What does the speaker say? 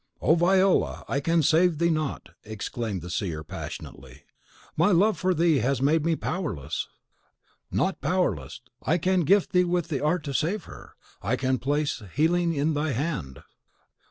"Oh, Viola, I can save thee not!" exclaimed the seer, passionately; "my love for thee has made me powerless!" "Not powerless; I can gift thee with the art to save her, I can place healing in thy hand!"